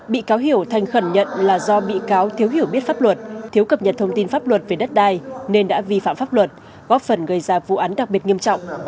bị cáo hiểu thành khẩn nhận là do bị cáo thiếu hiểu biết pháp luật thiếu cập nhật thông tin pháp luật về đất đai nên đã vi phạm pháp luật góp phần gây ra vụ án đặc biệt nghiêm trọng